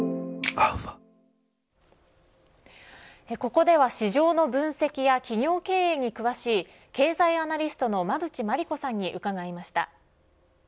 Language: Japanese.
ここでは市場の分析や企業経営に詳しい経済アナリストの馬渕磨理子さんに伺いました。